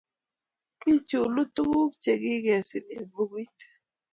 Kichunu tuguk che kikiser eng' bukuit